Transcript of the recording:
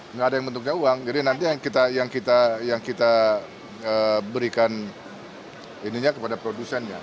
nggak ada yang bentuknya uang jadi nanti yang kita berikan ininya kepada produsennya